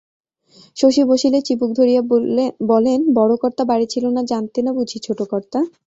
শশী বসিলে চিবুক ধরিয়া বলেন, বড়কর্তা বাড়ি ছিল না জানতে না বুঝি ছোটকর্তা?